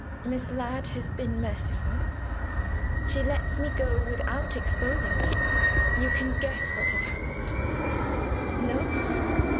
Miss Ladd has been merciful; she lets me go without exposing me. You can guess what has happened. No?